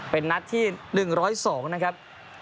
เป็นนัดที่๑๐๒นะครับ